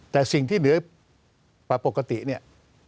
แต่สิ่งที่เหลือกว่าปกติเนี่ย